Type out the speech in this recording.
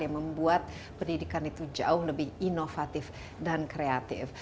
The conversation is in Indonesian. yang membuat pendidikan itu jauh lebih inovatif dan kreatif